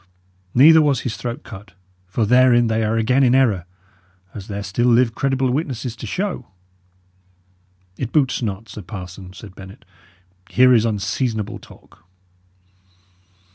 Neither was his throat cut; for therein they are again in error, as there still live credible witnesses to show." "It boots not, sir parson," said Bennet. "Here is unseasonable talk."